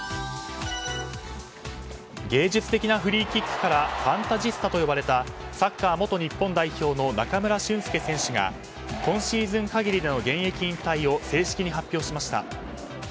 芸術的なフリーキックからファンタジスタと呼ばれたサッカー元日本代表の中村俊輔選手が今シーズン限りでの現役引退を正式に発表しました。